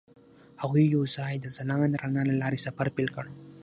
هغوی یوځای د ځلانده رڼا له لارې سفر پیل کړ.